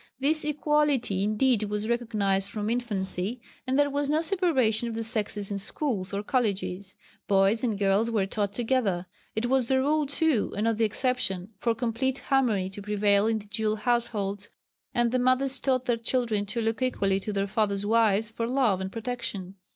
This equality indeed was recognised from infancy, and there was no separation of the sexes in schools or colleges. Boys and girls were taught together. It was the rule, too, and not the exception, for complete harmony to prevail in the dual households, and the mothers taught their children to look equally to their father's wives for love and protection.